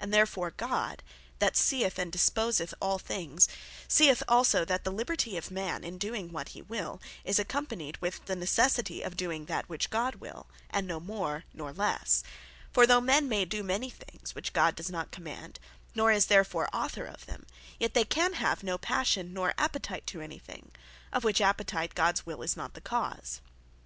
And therefore God, that seeth, and disposeth all things, seeth also that the Liberty of man in doing what he will, is accompanied with the Necessity of doing that which God will, & no more, nor lesse. For though men may do many things, which God does not command, nor is therefore Author of them; yet they can have no passion, nor appetite to any thing, of which appetite Gods will is not the cause.